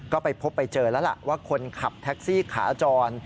ก็ไปพบไปเจอแล้วล่ะว่าคนขับแท็กซี่ขาจร